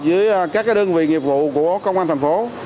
với các đơn vị nghiệp vụ của công an tp hcm